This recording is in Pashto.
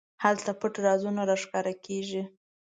هلته پټ رازونه راښکاره کېږي.